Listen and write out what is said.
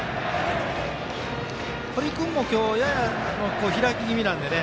堀君も、やや開き気味なんでね。